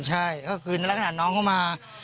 ใช่ก็คือในลักษณะน้องเขามา